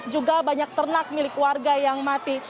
juga banyak ternak milik warga yang mati